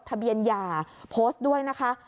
ทะเบียนหย่าโพสต์ด้วยนะคะ